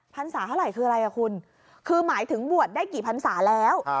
รษาเท่าไหร่คืออะไรอ่ะคุณคือหมายถึงบวชได้กี่พันศาแล้ว